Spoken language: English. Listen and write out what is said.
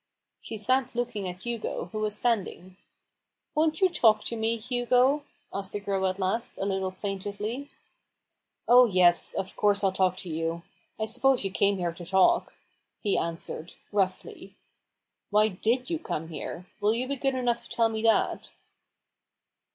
She sat looking at Hugo, who was standing. "Won't you talk to me, Hugo?" asked the girl at last, a little plaintively. "Oh, yes, of course I'll talk to you. I suppose you came here to talk," he answered, roughly. " Why did you come here ? Will you be good enough to tell me that